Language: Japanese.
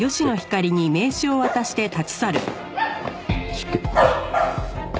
失敬。